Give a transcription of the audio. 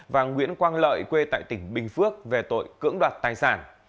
và nguyễn quang lợi quê tại tỉnh bình phước về tội cưỡng đoạt tài sản